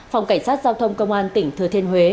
phòng cảnh sát giao thông công an tỉnh thừa thiên huế